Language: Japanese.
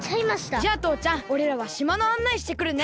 じゃあとうちゃんおれらはしまのあんないしてくるね。